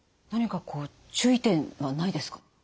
何かこう注意点はないですか？